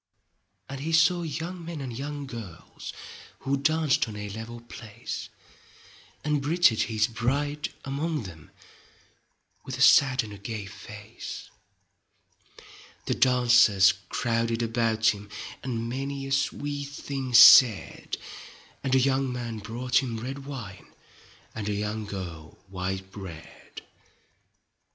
7 And he saw young men and young girls Who danced on a level place And Bridget his bride among them, With a sad and a gay face. The dancers crowded about him, And many a sweet thing said, And a young man brought him red wine And a young girl white bread.